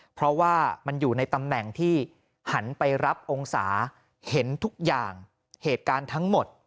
เพราะว่ามันอยู่ในตำแหน่งที่หันไปรับองศาเห็นทุกอย่างเหตุการณ์ทั้งหมด